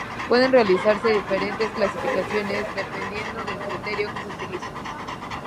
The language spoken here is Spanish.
Pueden realizarse diferentes clasificaciones, dependiendo del criterio que se utilice.